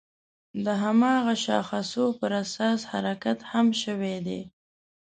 د هماغه شاخصو پر اساس حرکت هم شوی دی.